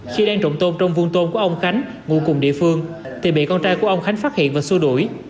khi đang trộn tôm trong vuông tôm của ông khánh ngụ cùng địa phương thì bị con trai của ông khánh phát hiện và xua đuổi